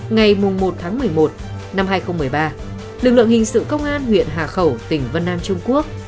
ngày một tháng một mươi một năm hai nghìn một mươi ba lực lượng hình sự công an huyện hà khẩu tỉnh vân nam trung quốc